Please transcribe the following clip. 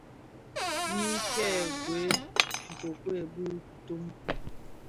Nyi kèn gwed nkuekued bi itön ki.